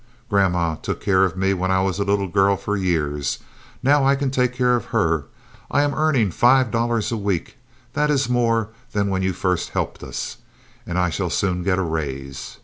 "Grandma took care of me when I was a little girl for years; now I can take care of her. I am earning five dollars a week; that is more than when you first helped us, and I shall soon get a raise.